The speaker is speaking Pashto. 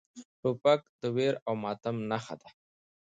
توپک د ویر او ماتم نښه ده.